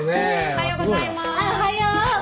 おはようございます。